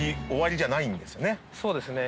そうですね。